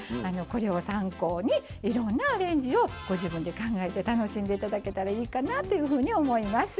これを参考にいろんなアレンジをご自分で考えて楽しんで頂けたらいいかなというふうに思います。